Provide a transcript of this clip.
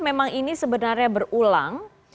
memang ini sebenarnya berulang